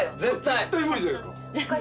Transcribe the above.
絶対無理じゃないですか。